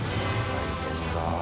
大変だ。